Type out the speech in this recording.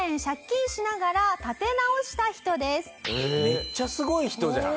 めっちゃすごい人じゃん！